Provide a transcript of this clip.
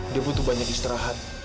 dia butuh banyak istirahat